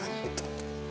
aja kayak gitu